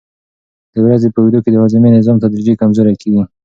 د ورځې په اوږدو کې د هاضمې نظام تدریجي کمزوری کېږي.